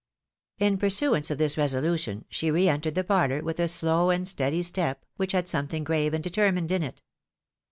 In pursuance of this resolution, she re entered the parlour with a slow and steady step, which had something grave and determined in it.